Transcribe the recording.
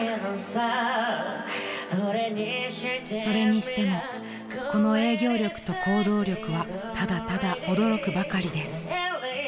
［それにしてもこの営業力と行動力はただただ驚くばかりです］